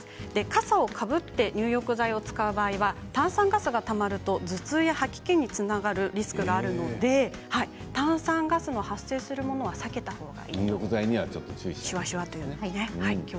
傘をかぶって入浴剤を使う場合は炭酸ガスがたまると頭痛や吐き気につながるリスクがあるので炭酸ガスの発生するものは避けたほうがいいということでした。